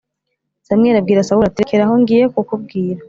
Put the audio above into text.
Samweli abwira Sawuli ati rekera aho Ngiye kukubwira